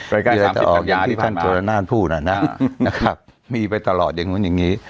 ไปใกล้๓๐ปัญญาอย่างที่ท่านจุฬานานพูดนะครับมีไปตลอดอย่างนู้นอย่างนี้